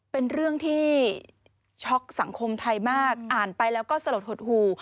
เป็นเรื่องที่ช็อกสังคมไทยมากอ่านไปแล้วก็สลดหดหู่